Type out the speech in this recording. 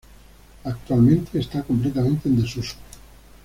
Actualmente está completamente en desuso.